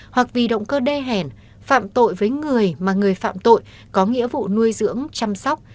hoặc vì động cơ đê hẻn phạm tội với người mà người phạm tội có nghĩa vụ nuôi dưỡng chăm sóc